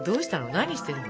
何してるの？